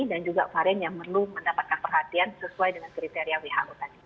dan juga varian yang perlu mendapatkan perhatian sesuai dengan kriteria who tadi